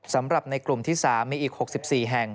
สำหรับในกลุ่มที่๓มีอีก๖๔แห่ง